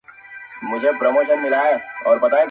حالاتو داسې جوارې راسره وکړله چي,